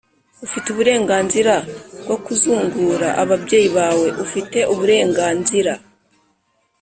ufite uburenganzira bwo kuzungura ababyeyi bawe. ufite uburenganzira